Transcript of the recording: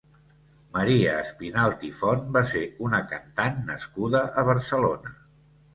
Maria Espinalt i Font va ser una cantant nascuda a Barcelona.